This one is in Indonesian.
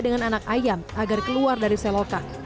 dengan anak ayam agar keluar dari selokan